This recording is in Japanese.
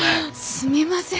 すみません